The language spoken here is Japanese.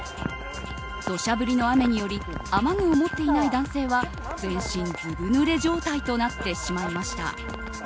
土砂降りの雨により雨具を持っていない男性は全身ずぶぬれ状態となってしまいました。